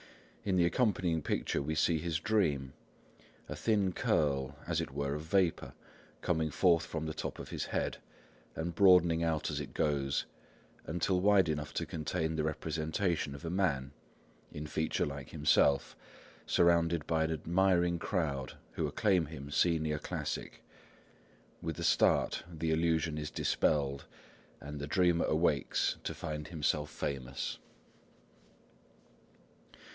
In the accompanying picture we see his dream,—a thin curl, as it were of vapour, coming forth from the top of his head and broadening out as it goes, until wide enough to contain the representation of a man, in feature like himself, surrounded by an admiring crowd, who acclaim him Senior Classic. With a start the illusion is dispelled, and the dreamer awakes to find himself famous.